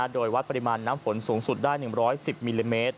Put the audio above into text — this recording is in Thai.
โดยวัดปริมาณน้ำฝนสูงสุดได้๑๑๐มิลลิเมตร